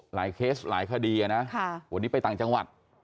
หลายเคสล์หลายคดีนะเผื่อนี้ไปต่างจังหวัด